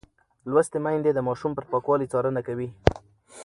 لوستې میندې د ماشوم پر پاکوالي څارنه کوي.